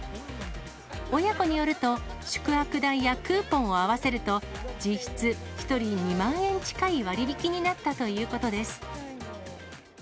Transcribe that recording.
親子によると、宿泊代やクーポンを合わせると、実質、１人２万円近い割引になったということです。